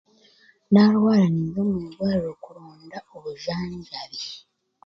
Naarwara ninza omu irwariro kuronda obujanjabi.